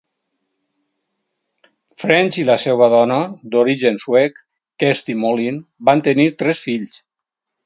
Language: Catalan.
French i la seva dona d'origen suec Kersti Molin van tenir tres fills.